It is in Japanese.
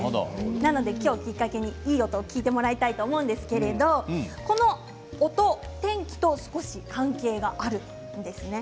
なので今日をきっかけにいい音を聞いていただきたいと思うんですけれどこの音、天気が少し関係があるんですね。